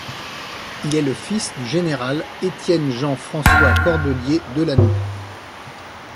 Il est le fils du général Étienne Jean François Cordellier-Delanoüe.